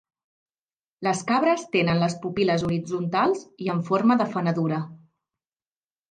Les cabres tenen les pupil·les horitzontals i en forma de fenedura.